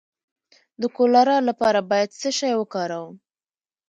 د کولرا لپاره باید څه شی وکاروم؟